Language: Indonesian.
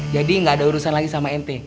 jadi gak ada urusan lagi sama ente